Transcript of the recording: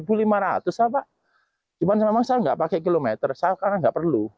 cuma memang saya tidak pakai kilometer saya kan tidak perlu